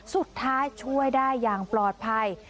สุดท้ายช่วยได้อย่างปลอดภัย